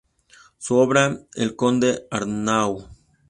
Su obra "El Conde Arnau.